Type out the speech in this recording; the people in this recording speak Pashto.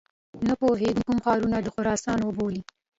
نه پوهیږي کوم ښارونه د خراسان وبولي.